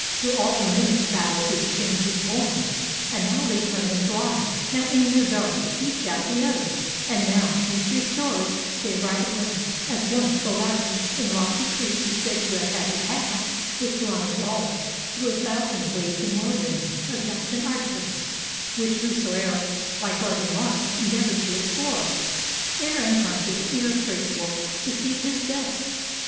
Through all the mimic battle's changes borne. And now they turn and fly, now aim their darts Each at the other; and now, peace restored, They ride abreast; as once the labyrinth In lofty Crete is said to have had a path 243 ROME With blind walls through a thousand ways inwoven Of doubt and artifice, which whosoe'er By guarding marks endeavored to explore, Error unconscious, irretraceable Deceived his steps.